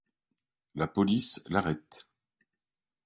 La police l'arrête.